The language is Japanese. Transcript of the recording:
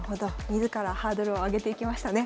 自らハードルを上げていきましたね。